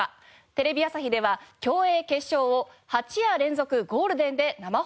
テレビ朝日では競泳決勝を８夜連続ゴールデンで生放送します。